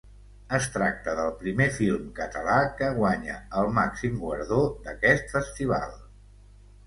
Es tracta del primer film català que guanya el màxim guardó d’aquest festival.